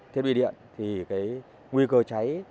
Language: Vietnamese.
thiết bị điện thì nguy cơ cháy